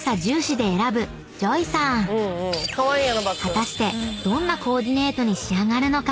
［果たしてどんなコーディネートに仕上がるのか？］